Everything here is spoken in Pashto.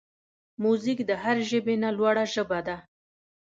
موزیک د هر ژبې نه لوړه ژبه ده.